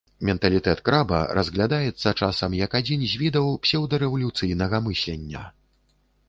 Менталітэт краба разглядаецца, часам, як адзін з відаў псеўдарэвалюцыйнага мыслення.